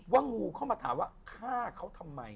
งูเข้ามาถามว่าฆ่าเขาทำไม